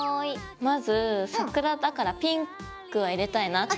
まず桜だからピンクは入れたいなって。